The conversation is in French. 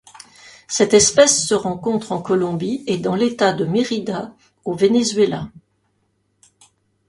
Cette espèce se rencontre en Colombie et dans l'État de Mérida au Venezuela.